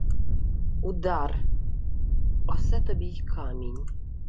— Удар! Осе тобі й камінь.